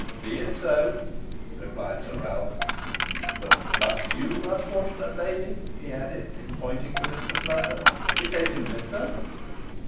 "Be it so," replied Sir Ralph; "but must yon unfortunate lady," he added, pointing to Mistress Nutter, "be taken with them?"